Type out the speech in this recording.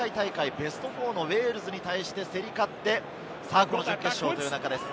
ベスト４のウェールズに対して競り勝ってこの準決勝です。